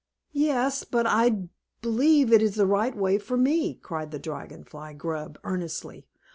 "Yes; but I believe it is the right way for me!" cried the Dragon Fly Grub earnestly.